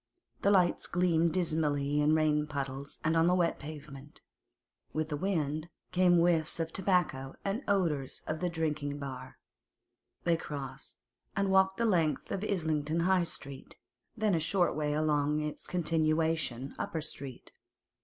The lights gleamed dismally in rain puddles and on the wet pavement. With the wind came whiffs of tobacco and odours of the drinking bar. They crossed, and walked the length of Islington High Street, then a short way along its continuation, Upper Street.